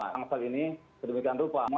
tangsel ini sedemikian rupa